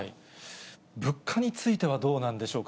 物価についてはどうなんでしょうか。